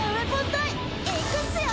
隊いくっすよ！